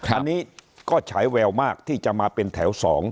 อันนี้ก็ฉายแววมากที่จะมาเป็นแถว๒